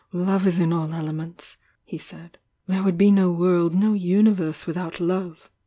Love IS in aU elements," he said. "There would De no world, no universe without love!"